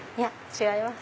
違います。